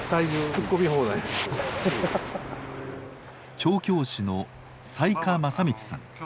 調教師の雑賀正光さん。